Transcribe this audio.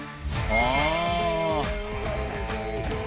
ああ。